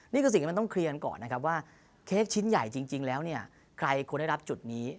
นี่คือสิ่งที่มันต้องเคลียร์กันก่อนนะครับว่าเค้กชิ้นใหญ่จริงแล้วเนี่ยใครควรได้รับจุดนี้